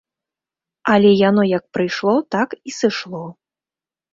Але яно як прыйшло, так і сышло.